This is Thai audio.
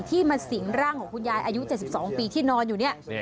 มาสิงร่างของคุณยายอายุ๗๒ปีที่นอนอยู่เนี่ย